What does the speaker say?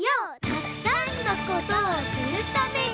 「たくさんの事をするために」